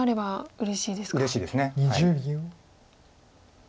うれしいです。